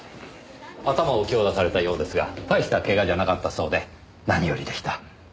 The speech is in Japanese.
頭を強打されたようですが大したケガじゃなかったそうで何よりでした。